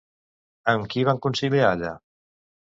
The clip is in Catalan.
Amb qui van coincidir allà?